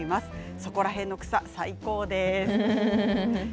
そこらへんの草、最高です。